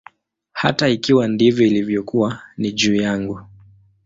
Hata ikiwa ndivyo ilivyokuwa, ni juu yangu.